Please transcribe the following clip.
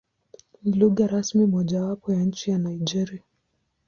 Ni lugha rasmi mojawapo ya nchi ya Nigeria.